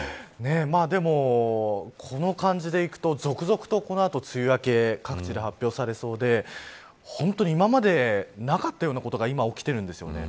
でも、この感じでいくと続々と、この後梅雨明け各地で発表されそうで本当に、今までなかったようなことが今、起きてるんですよね。